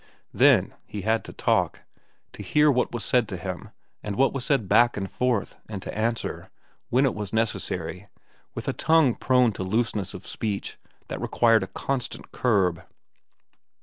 Then he had to talk, to hear what was said to him and what was said back and forth, and to answer, when it was necessary, with a tongue prone to looseness of speech that required a constant curb.